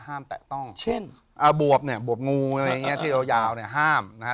ห้ามแตะต้องเช่นบวบเนี่ยบวบงูอะไรอย่างเงี้ยที่ยาวห้ามนะฮะ